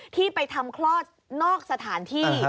ที่ไปทำคลอดนอกสถานที่